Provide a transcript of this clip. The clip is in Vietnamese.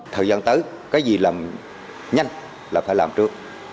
thời gian tới cái gì làm nhanh là phải làm trước